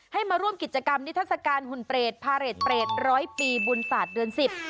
ให้มาร่วมกิจกรรมนิทัศกาลหุ่นเปรตพาเรทเปรตร้อยปีบุญศาสตร์เดือนสิบ